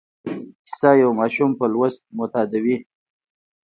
کیسه یو ماشوم په لوست معتادوي.